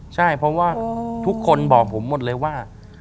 ใช่เพราะว่าทุกคนบอกผมหมดเลยว่า